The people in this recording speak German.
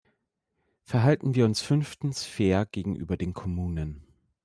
Verhalten wir uns fünftens fair gegenüber den Kommunen.